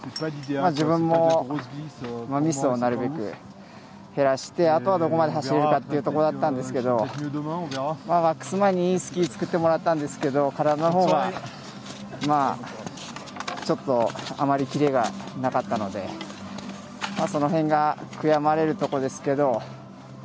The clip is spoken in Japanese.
自分もミスをなるべく減らしてあとはどこまで走れるかというところだったんですけどワックスマンに、いいスキー作ってもらったんですけど体のほうは、ちょっとあまりきれがなかったのでその辺が悔やまれるところですけど。